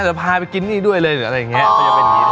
จะพาไปกินนี่ด้วยเลยอะไรอย่างเงี้ยเขาจะเป็นอย่างงี้นะฮะ